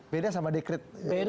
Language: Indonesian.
beda sama dekret dua ribu satu